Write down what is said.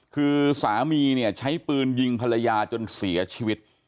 คือสามีเนี่ยใช้ปืนยิงภรรยาจนเสียชีวิต